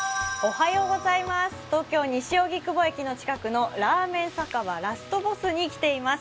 東京・西荻窪駅の近くのラーメン酒場ラスト・ボスに来ています。